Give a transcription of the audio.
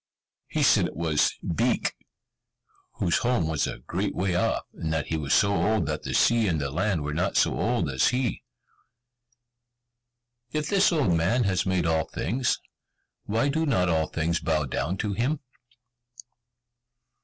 He said it was Beek, whose home was a great way off, and that he was so old that the sea and the land were not so old as he. "If this old man has made all things, why do not all things bow down to him?"